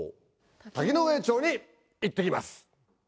滝上町に行って来ます。